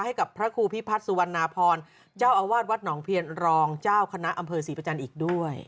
ให้กับพระครูพิพัฒน์สุวรรณพรเจ้าอาวาสวัดหนองเพียรรองเจ้าคณะอำเภอศรีประจันทร์อีกด้วย